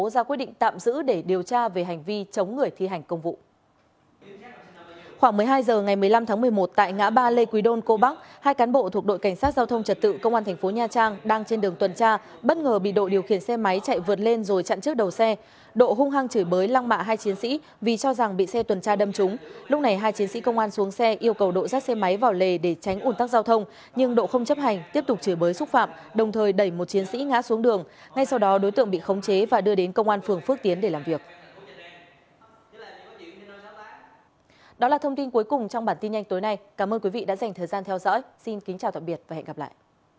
đó là thông tin cuối cùng trong bản tin nhanh tối nay cảm ơn quý vị đã dành thời gian theo dõi xin kính chào tạm biệt và hẹn gặp lại